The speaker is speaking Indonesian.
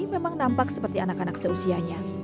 memang nampak seperti anak anak seusianya